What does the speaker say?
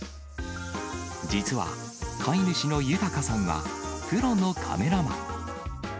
実は、飼い主の豊さんは、プロのカメラマン。